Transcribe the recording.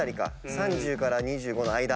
３０から２５の間。